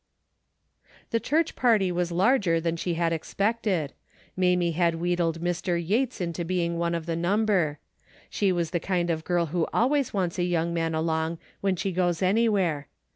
The church party was larger than she had expected. Mamie had wheedled Mr. Yates into being one of the number. She was the kind of girl who always wants a young man along w^hen she goes anywhere.